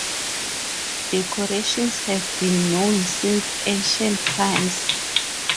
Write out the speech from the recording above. Decorations have been known since ancient times.